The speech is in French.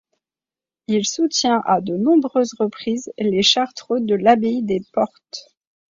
Il soutient à de nombreuses reprises les Chartreux de l'abbaye des Portes.